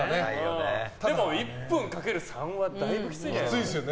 でも１分かける３はだいぶきついんじゃない？